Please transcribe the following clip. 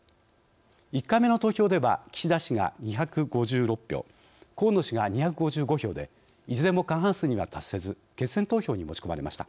１回目の投票では岸田氏が２５６票河野氏が２５５票でいずれも過半数には達せず決選投票に持ち込まれました。